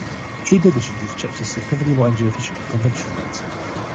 In addition, these chips are significantly more energy-efficient than conventional ones.